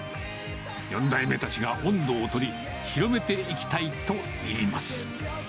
４代目たちが音頭を取り、広めていきたいといいます。